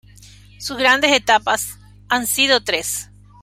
Sus grandes etapas han sido tres.